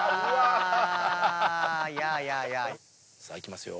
さあいきますよ。